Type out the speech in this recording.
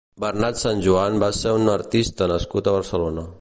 Bernat Sanjuan va ser un artista nascut a Barcelona.